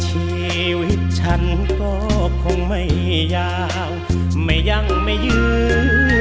ชีวิตฉันก็คงไม่ยาวไม่ยั่งไม่ยื้อ